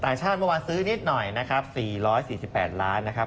ต่างชาติเมื่อวานซื้อนิดหน่อยนะครับสี่ร้อยสี่สิบแปดล้านนะครับ